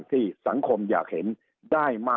สุดท้ายก็ต้านไม่อยู่